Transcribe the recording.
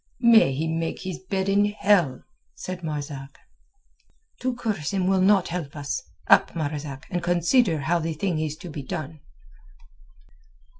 "May he make his bed in hell!" said Marzak. "To curse him will not help us. Up, Marzak, and consider how the thing is to be done."